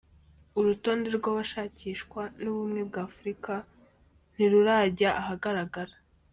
Urutonde rw’abashakishwa n’ubumwe bw’afrika ntururajya ahagaragara.